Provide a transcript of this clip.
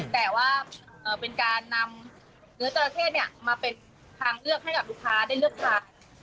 แต่ว่าเป็นการนำเนื้อจราเข้มาเป็นทางเลือกให้กับลูกค้าได้เลือกทาน